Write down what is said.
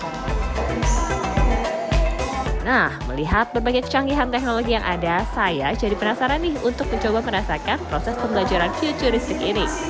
nah melihat berbagai kecanggihan teknologi yang ada saya jadi penasaran nih untuk mencoba merasakan proses pembelajaran futuristik ini